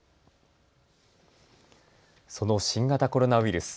その新型コロナウイルス。